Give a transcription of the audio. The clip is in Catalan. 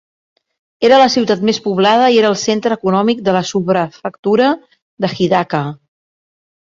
Era la ciutat més poblada i era el centre econòmic de la subprefectura de Hidaka.